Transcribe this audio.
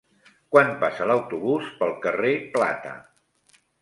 Quan passa l'autobús pel carrer Plata?